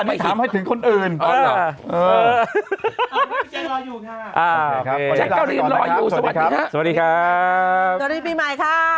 ถ้าบางคนไม่มีคุณพ่อคุณแม่ล่ะ